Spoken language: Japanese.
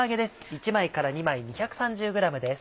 １枚から２枚２３０ｇです。